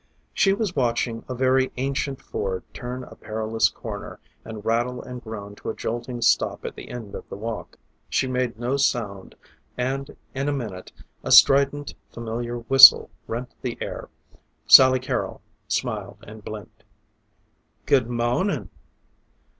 She was watching a very ancient Ford turn a perilous corner and rattle and groan to a jolting stop at the end of the walk. See made no sound and in a minute a strident familiar whistle rent the air. Sally Carrol smiled and blinked. "Good mawnin'."